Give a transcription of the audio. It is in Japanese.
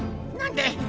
何で？